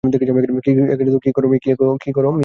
কী করো মিঞা!